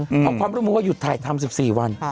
สมาคมผู้กำกับภาพยนตร์ว่าหยุดถ่ายทำ๑๔วัน